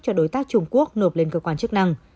cho đối tác trung quốc nộp lên cơ quan chức năng